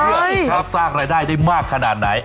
เพื่อสร้างรายได้ได้มากขนาดไหน